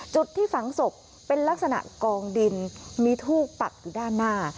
จุดที่ฝังศพเป็นลักษณะกองดินมีทูบปักอยู่ด้านหน้า